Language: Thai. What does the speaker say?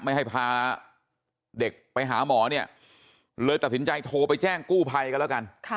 ไม่ให้พาเด็กไปหาหมอเนี่ยเลยตัดสินใจโทรไปแจ้งกู้ภัยกันแล้วกัน